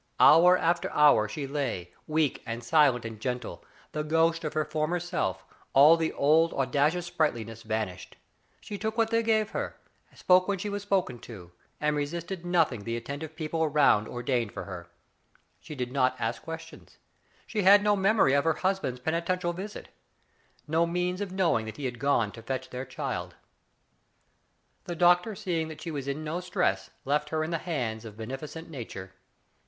Hour after hour she lay, weak and silent and gentle, the ghost of her former self, all the old audacious sprightliness vanished. She took what they gave her, and spoke when she was spoken to, and resisted nothing the c^ttejitive people around Digitized by Google RICHARD BOWLING. I?! ordained for her. She did not ask questions. She had no memory of her husband's penitential visit ; no means of knowing that he had gone to fetch their child. The doctor seeing that she was in no distress left her in the hands of beneficent Nature.